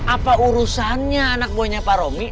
apa urusannya anak buahnya pak romi